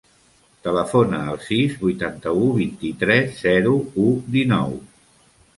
Telefona al sis, vuitanta-u, vint-i-tres, zero, u, dinou.